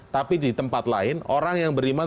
tapi di tempat lain orang yang beriman